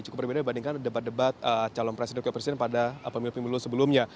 cukup berbeda dibandingkan debat debat calon presiden ke presiden pada pemilu pemilu sebelumnya